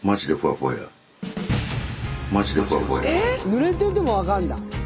ぬれてても分かるんだ。